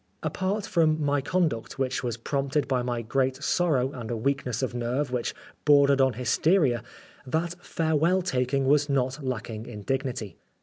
Apart from my conduct, which was prompted by my great sorrow and a weakness of nerve which bordered on hysteria, that farewell taking was not lack ing in dignity.